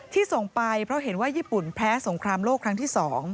ส่งไปเพราะเห็นว่าญี่ปุ่นแพ้สงครามโลกครั้งที่๒